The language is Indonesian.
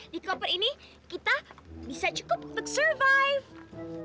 di koper ini kita bisa cukup untuk survive